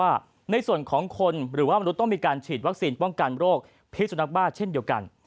ว่าในส่วนของคนหรือว่ามนุษย์ต้องมีการฉีดวัคซีนป้องกันโรคพิสุนักบ้าเช่นเดียวกัน